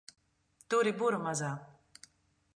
Turi buru, mazā!